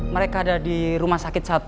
mereka ada di rumah sakit satu